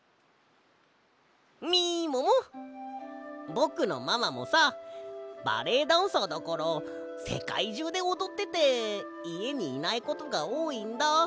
ぼくのママもさバレエダンサーだからせかいじゅうでおどってていえにいないことがおおいんだ。